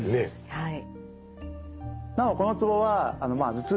はい。